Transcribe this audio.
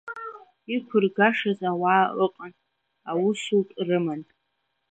Иқәыргашаз ауаа ыҟан, аусутә рыман.